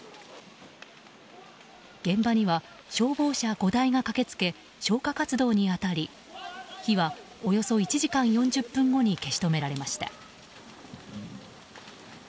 現場には消防車５台が駆けつけ消火活動に当たり火はおよそ１時間４０分後に消し止められました。